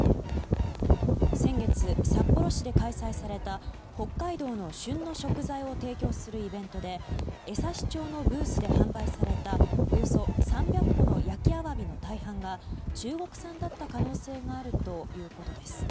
先月、札幌市で開催された北海道の旬の食材を提供するイベントで江差町のブースで販売されたおよそ３００個の焼きアワビの大半が中国産だった可能性があるということです。